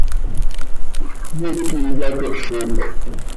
Miiqui yatolec.